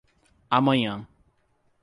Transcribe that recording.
Amanhã